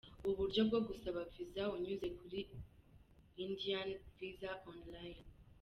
Ubu buryo bwo gusaba visa unyuze kuri indianvisaonline.